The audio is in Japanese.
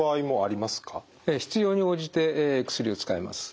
必要に応じて薬を使います。